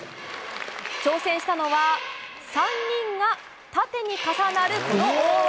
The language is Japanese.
挑戦したのは３人が縦に重なる大技。